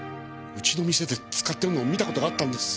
うちの店で使ってるのを見た事があったんです。